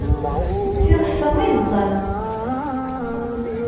D tiḍeffa ay ẓẓan.